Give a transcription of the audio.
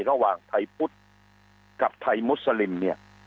ระหว่างไทยพุทธกับไทยมุสลิมเนี่ย